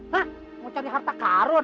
nak mau cari harta karun